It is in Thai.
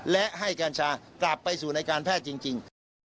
และให้กัญชากลับไปสู่ในการแพทย์จริง